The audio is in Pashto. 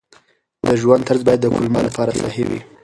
د ژوند طرز باید د کولمو لپاره صحي وي.